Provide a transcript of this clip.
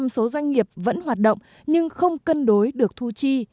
bảy mươi sáu số doanh nghiệp vẫn hoạt động nhưng không cân đối được thu chi